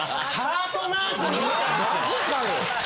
マジかよ！